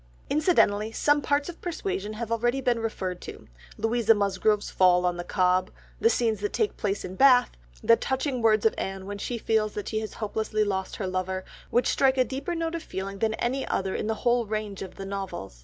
Incidentally some parts of Persuasion have already been referred to, Louisa Musgrove's fall on the Cobb, the scenes that take place in Bath, the touching words of Anne when she feels that she has hopelessly lost her lover, which strike a deeper note of feeling than any other in the whole range of the novels.